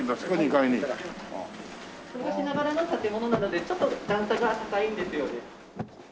昔ながらの建物なのでちょっと段差が高いんですよね。